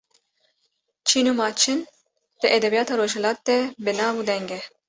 Çîn û Maçin di edebiyata rojhilat de bi nav û deng e.